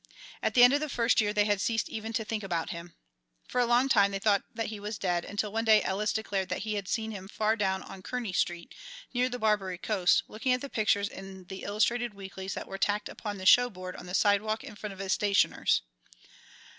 At the end of the first year they had ceased even to think about him. For a long time they thought that he was dead, until one day Ellis declared that he had seen him far down on Kearney Street, near the Barbary Coast, looking at the pictures in the illustrated weeklies that were tacked upon the show board on the sidewalk in front of a stationer's.